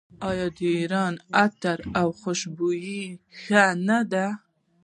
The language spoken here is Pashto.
آیا د ایران عطر او خوشبویي ښه نه ده؟